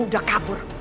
kamu udah kabur